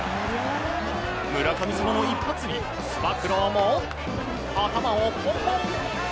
村神様の一発に、つば九郎も頭をポンポン！